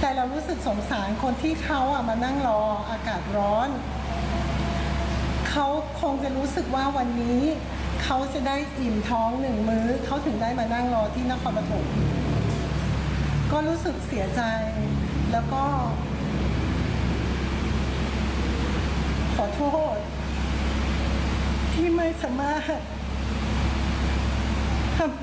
แต่เรารู้สึกสงสารคนที่เขาอ่ะมานั่งรออากาศร้อนเขาคงจะรู้สึกว่าวันนี้เขาจะได้อิ่มท้องหนึ่งมื้อเขาถึงได้มานั่งรอที่นครปฐมก็รู้สึกเสียใจแล้วก็ขอโทษที่ไม่สามารถทำ